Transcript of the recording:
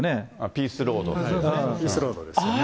ピースロードですよね。